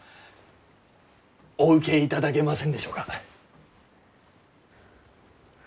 お受けいただけませんでしょうか？